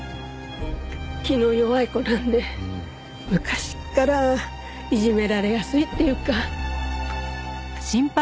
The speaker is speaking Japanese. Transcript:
気の弱い子なんで昔からいじめられやすいっていうか。